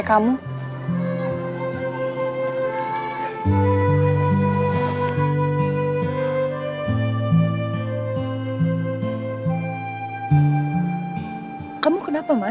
itu kalau aku blind banget